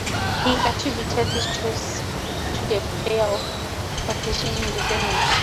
He attributed his choice to their playoff contention in recent years.